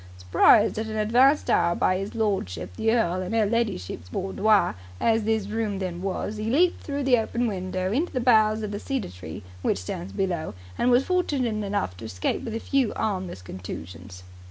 Surprised at an advanced hour by 'is lordship the earl in 'er ladyship's boudoir, as this room then was, 'e leaped through the open window into the boughs of the cedar tree which stands below, and was fortunate enough to escape with a few 'armless contusions."